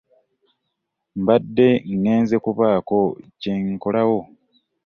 Mbadde ŋŋenze kubaako kye nkolawo.